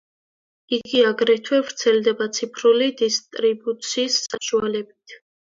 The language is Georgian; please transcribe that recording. იგი აგრეთვე ვრცელდება ციფრული დისტრიბუციის საშუალებით.